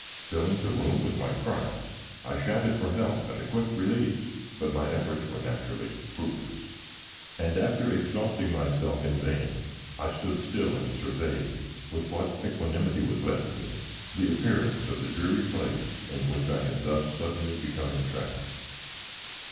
Filling the room with my cries, I shouted for help and a quick release, but my efforts were naturally fruitless, and after exhausting myself in vain I stood still and surveyed, with what equanimity was left me, the appearance of the dreary place in which I had thus suddenly become entrapped.